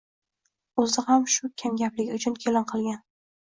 O‘zi ham shu kamgapligi uchun kelin qilgan